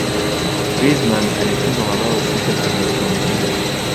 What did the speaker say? griezmann alifunga mabao sita kwenye michuano hiyo